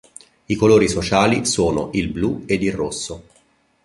I colori sociali sono: il blu ed il rosso.